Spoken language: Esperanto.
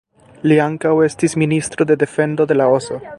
Li ankaŭ estis Ministro de Defendo de Laoso.